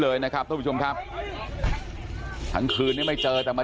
เอาวงอาวุธต่างนะฮะ